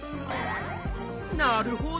なるほど！